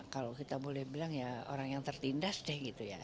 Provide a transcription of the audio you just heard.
kalau kita boleh bilang ya orang yang tertindas deh gitu ya